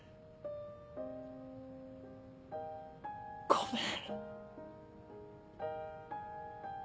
ごめん。